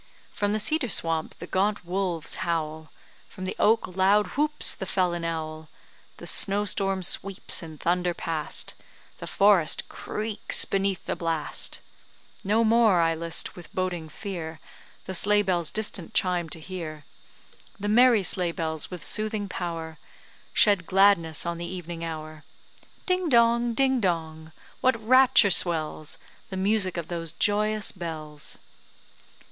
From the cedar swamp the gaunt wolves howl, From the oak loud whoops the felon owl; The snow storm sweeps in thunder past, The forest creaks beneath the blast; No more I list, with boding fear, The sleigh bells' distant chime to hear. The merry sleigh bells, with soothing power Shed gladness on the evening hour. Ding dong, ding dong, what rapture swells The music of those joyous bells.